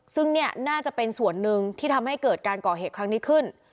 ซึ่งเนี่ยน่าจะเป็นส่วนหนึ่งที่ทำให้เกิดการก่อเหตุครั้งนี้ขึ้น